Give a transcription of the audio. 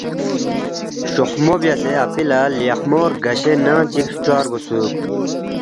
شوخمو بیاسے اپی لہ لیخمو رگاشے ننگ چی فچوا رگوسُوک